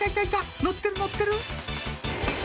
乗ってる乗ってる！」